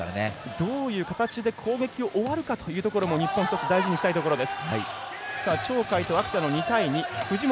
どういう形で攻撃を終わるかというところも日本は大事にしたいところです。